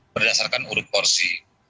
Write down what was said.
berdasarkan urut porsi